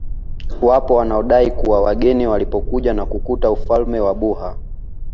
Wapo wanaodai kuwa wageni walipokuja na kukuta ufalme wa Buha